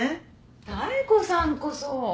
妙子さんこそ。